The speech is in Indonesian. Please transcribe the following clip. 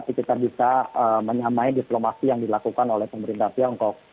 kita bisa menyamai diplomasi yang dilakukan oleh pemerintah tiongkok